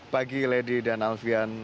pagi lady dan alfian